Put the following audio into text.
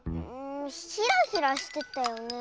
ヒラヒラしてたよね。